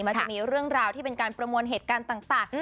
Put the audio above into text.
มันจะมีเรื่องราวที่เป็นการประมวลเหตุการณ์ต่าง